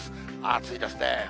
暑いですね。